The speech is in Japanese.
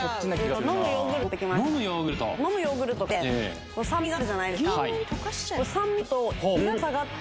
飲むヨーグルトとかって酸味があるじゃないですか。